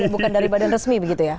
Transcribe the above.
bukan dari badan resmi begitu ya